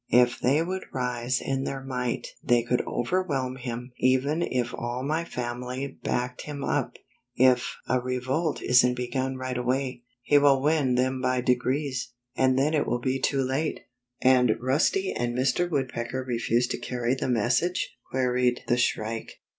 If they would rise in their might they could overwhelm him even if all my family backed him up. If a revolt isn't begun right away, he will win them by degrees, and then it will be too late." " And Rusty and Mr. Woodpecker refused to carry the message?" queried the Shrike.